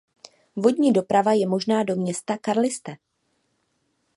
Vodní doprava je možná do města Carlisle.